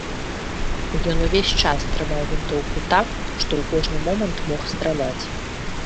Ён увесь час трымаў вінтоўку так, што ў кожны момант мог страляць.